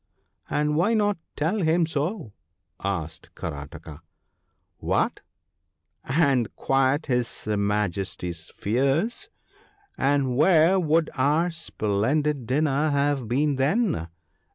' And why not tell him so ?' asked Karataka. 4 What ! and quiet his Majesty's fears ! And where would our splendid dinner have been then